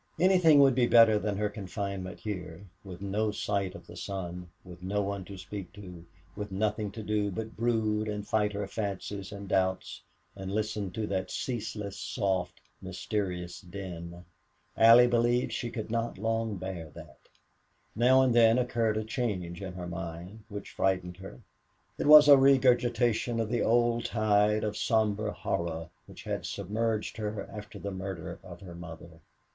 Anything would be better than her confinement here, with no sight of the sun, with no one to speak to, with nothing to do but brood and fight her fancies and doubts, and listen to that ceaseless, soft, mysterious din. Allie believed she could not long bear that. Now and then occurred a change in her mind which frightened her. It was a regurgitation of the old tide of somber horror which had submerged her after the murder of her mother.